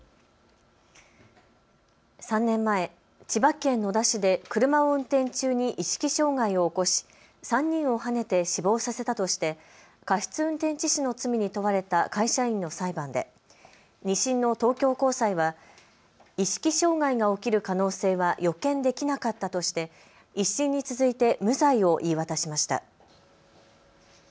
３年前、千葉県野田市で車を運転中に意識障害を起こし３人をはねて死亡させたとして過失運転致死の罪に問われた会社員の裁判で２審の東京高裁は意識障害が起きる可能性は予見できなかったとして、１審に続いて無罪を言い渡しました。